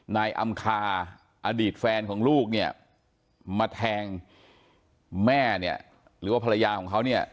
นายอำคาอดีตแฟนของลูกเนี่ยมาแทงแม่เนี่ยหรือว่าภรรยาของเขาเนี่ย